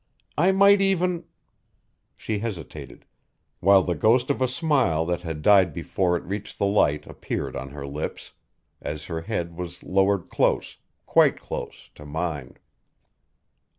I might even " She hesitated, while the ghost of a smile that had died before it reached the light appeared on her lips, as her head was lowered close, quite close, to mine.